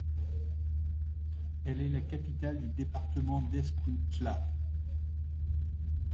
Elle est la capitale du Département d'Escuintla.